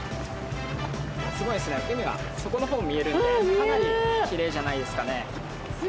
海が底のほう見えるんでかなりきれいじゃないですかね。